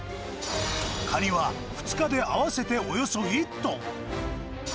カニは２日で合わせておよそ１トン。